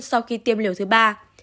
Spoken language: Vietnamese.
sau khi tiêm liều thứ ba